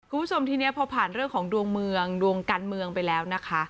คุณผู้ชมทีนี้พอผ่านเรื่องของดวงเมืองดวงการเมืองไปแล้วนะคะ